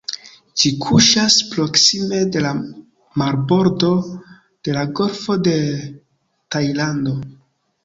Ĝi kuŝas proksime de la marbordo de la Golfo de Tajlando.